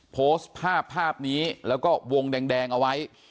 โพสต์ภาพภาพนี้แล้วก็วงแดงเอาไว้